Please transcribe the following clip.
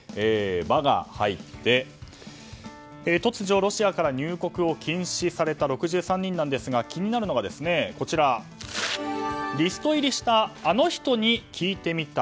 「バ」が入って突如、ロシアから入国を禁止された６３人ですが、気になるのがリスト入りしたあの人に聞いてみた。